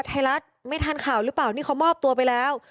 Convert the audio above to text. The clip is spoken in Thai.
ไทยรัฐไม่ทันข่าวหรือเปล่านี่เขามอบตัวไปแล้ว